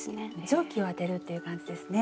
蒸気をあてるっていう感じですね。